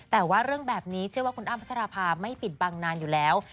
แต่ว่าเรื่องแบบนี้เชื่อว่าคุณอ้ำพัชราภาไม่ปิดบังนานอยู่แล้ว